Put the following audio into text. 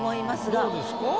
どうですか？